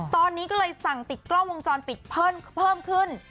ตอนนี้ก็เลยสั่งติดกล้องวงจรปิดเพิ่มขึ้น